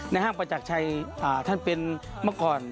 ห้างประจักรชัยท่านเป็นเมื่อก่อน